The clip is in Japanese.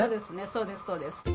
そうですそうです。